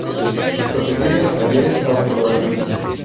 Procedía de los talleres austro-bohemios.